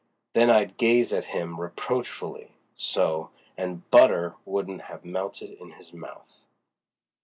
Then I'd gaze at him reproachfully, so, and butter wouldn't have melted in his mouth."